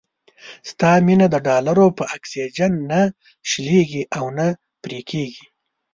ستا مينه د ډالرو په اکسيجن نه شلېږي او نه پرې کېږي.